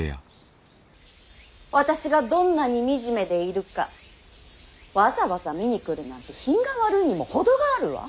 私がどんなに惨めでいるかわざわざ見に来るなんて品が悪いにも程があるわ。